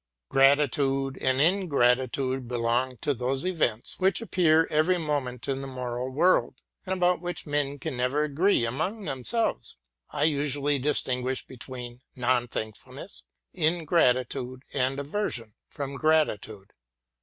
Gratitude and ingratitude belong to those events which appear every moment in the moral world, and about which men can never agree among themselves. I usually distinguish between non thankfulness, ingratitude, and aversion from gratitude.